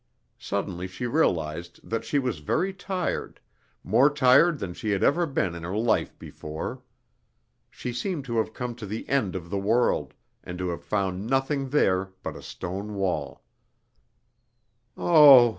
Suddenly she realized that she was very tired, more tired than she had ever been in her life before. She seemed to have come to the end of the world, and to have found nothing there but a stone wall. "Oh!"